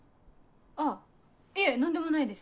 あっいえ何でもないです。